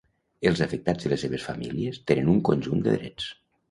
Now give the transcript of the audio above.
Els afectats i les seves famílies tenen un conjunt de drets.